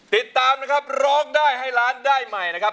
ติดตามนะครับร้องได้ให้ล้านได้ใหม่นะครับ